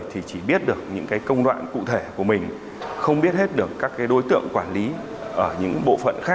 hãy đăng ký kênh để ủng hộ kênh của mình nhé